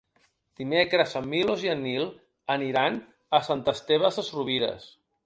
Dimecres en Milos i en Nil aniran a Sant Esteve Sesrovires.